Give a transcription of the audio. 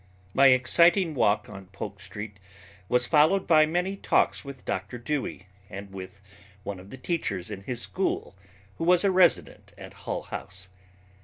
My exciting walk on Polk Street was followed by many talks with Dr. Dewey and with one of the teachers in his school who was a resident at Hull House.